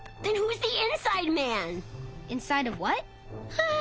はあ！